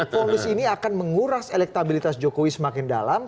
fonis ini akan menguras elektabilitas jokowi semakin dalam